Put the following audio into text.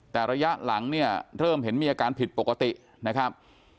แต่ระยะหลังเนี่ยเริ่มเห็นมีอาการผิดปกตินะครับ